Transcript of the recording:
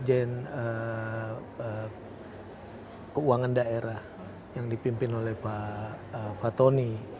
dan juga di jnu kita juga melakukan keuangan daerah yang dipimpin oleh pak fatoni